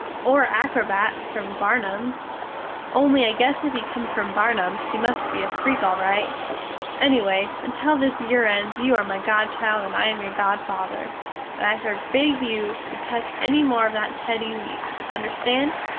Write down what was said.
or a acrobat from Barnums? only I guess if he comes from Barnums he must be a freak al rite. Ennyway until this yere ends you are my godchild and I am your godfather, and I forbid you to tuch enny more of that Teddys eats, understand?